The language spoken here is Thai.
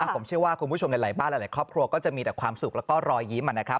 ผมเชื่อว่าคุณผู้ชมในหลายบ้านหลายครอบครัวก็จะมีความสุขและรอยยิ้ม